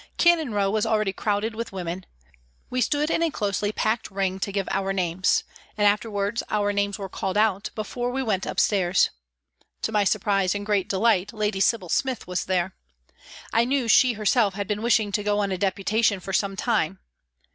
Cannon Row was already crowded with women. We stood in a closely packed ring to give our names, and afterwards our names were called out before we went upstairs. To my surprise and great delight Lady Sybil Smith was there. I knew she herself had been wishing to go on a deputation for some time.